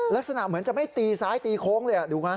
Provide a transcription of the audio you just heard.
ลักษณะเหมือนจะไม่ตีซ้ายตีโค้งเลยดูไหม